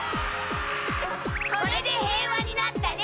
これで平和になったね！